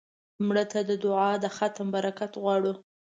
مړه ته د دعا د ختم برکت غواړو